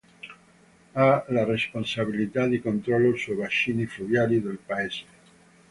Ha la responsabilità di controllo sui bacini fluviali del Paese.